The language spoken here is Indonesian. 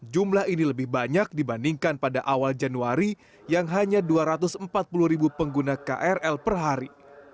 jumlah ini lebih banyak dibandingkan pada awal januari yang hanya dua ratus empat puluh ribu pengguna krl per hari